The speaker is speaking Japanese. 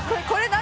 「何？